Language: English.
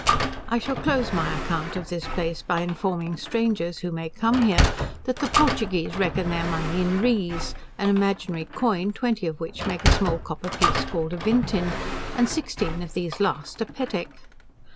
I shall close my account of this place by informing strangers, who may come here, that the Portuguese reckon their money in rees, an imaginary coin, twenty of which make a small copper piece called a 'vintin', and sixteen of these last a 'petack'.